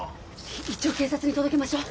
一応警察に届けましょう。